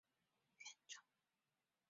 担任广东省韶关市技师学院院长。